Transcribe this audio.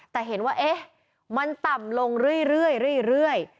แต่เห็นว่าเอ๊ะมันต่ำลงเรื่อยเรื่อยเรื่อย